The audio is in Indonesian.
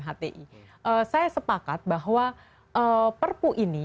hti saya sepakat bahwa perpu ini